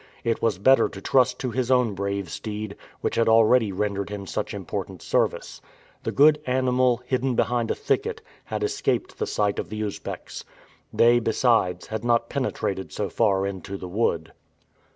It was better to trust to his own brave steed, which had already rendered him such important service. The good animal, hidden behind a thicket, had escaped the sight of the Usbecks. They, besides, had not penetrated so far into the wood.